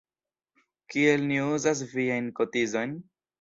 Kiel ni uzas viajn kotizojn?